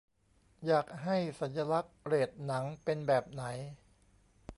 อยากให้สัญลักษณ์เรตหนังเป็นแบบไหน